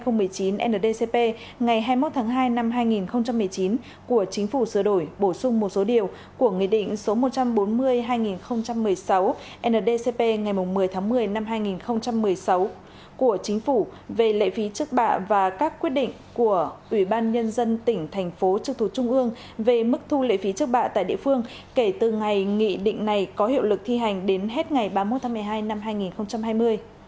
nghị định số hai mươi hai nghìn một mươi chín ndcp ngày hai mươi một tháng hai năm hai nghìn một mươi chín của chính phủ sửa đổi bổ sung một số điều của nghị định số một trăm bốn mươi hai nghìn một mươi sáu ndcp ngày một mươi tháng một mươi năm hai nghìn một mươi sáu của chính phủ về lệ phí trước bạ và các quyết định của ủy ban nhân dân tỉnh thành phố trực thủ trung ương về mức thu lệ phí trước bạ tại địa phương kể từ ngày nghị định này có hiệu lực thi hành đến hết ngày ba mươi một tháng một mươi hai năm hai nghìn hai mươi